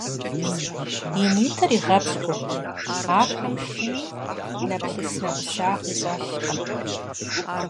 И нитӀыр игъэпщкӀуркъым, ахэм шыни нэплъыснэӀусагъи щӀэлъкъым.